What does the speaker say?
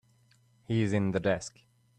He's in the desk.